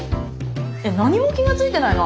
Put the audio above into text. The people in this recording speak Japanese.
えっ何も気が付いてないの？